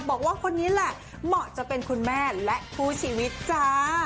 บอกว่าคนนี้แหละเหมาะจะเป็นคุณแม่และคู่ชีวิตจ้า